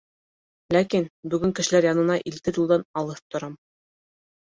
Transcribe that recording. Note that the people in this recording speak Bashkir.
— Ләкин бөгөн кешеләр янына илтер юлдан алыҫ торам.